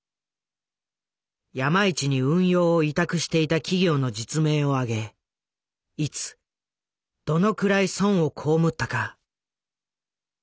山一に運用を委託していた企業の実名を挙げいつどのくらい損を被ったか。